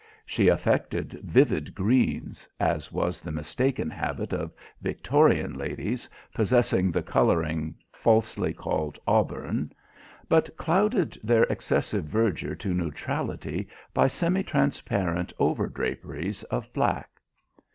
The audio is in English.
She affected vivid greens as was the mistaken habit of Victorian ladies possessing the colouring falsely called "auburn" but clouded their excessive verdure to neutrality by semi transparent over draperies of black.